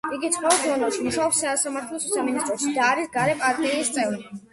იგი ცხოვრობს ლონდონში, მუშაობს სიმართლის სამინისტროში და არის გარე პარტიის წევრი.